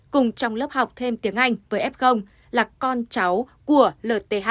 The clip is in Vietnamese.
cùng trong lớp học thêm tiếng anh với f là con cháu của lth